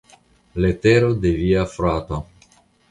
Letero de via frato.